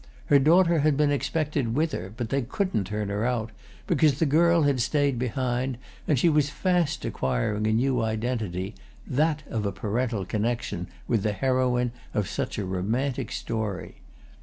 Her daughter had been expected with her, but they couldn't turn her out because the girl had stayed behind, and she was fast acquiring a new identity, that of a parental connection with the heroine of such a romantic story.